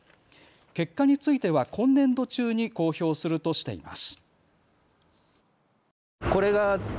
結果については今年度中に公表するとしています。